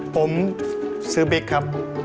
ผมซื้อบิ๊กครับ